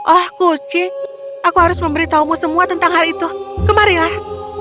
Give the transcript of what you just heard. oh kucing aku harus memberitahumu semua tentang hal itu kemarilah